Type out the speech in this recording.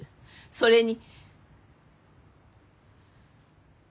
それに。